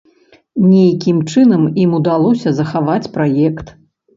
Нейкім чынам ім удалося захаваць праект.